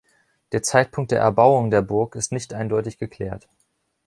Der Zeitpunkt der Erbauung der Burg ist nicht eindeutig geklärt.